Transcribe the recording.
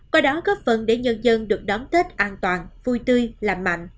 có đó góp phần để nhân dân được đón tết an toàn vui tươi làm mạnh